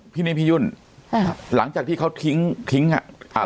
พี่นี่พี่ยุ่นอ่าหลังจากที่เขาทิ้งทิ้งอ่ะอ่า